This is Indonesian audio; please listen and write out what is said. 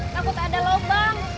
takut ada lobang